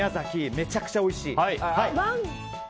めちゃくちゃおいしい。